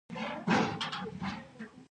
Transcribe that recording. مهارت څنګه زده کړو؟